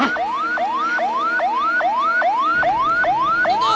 tuh tuh dia tuh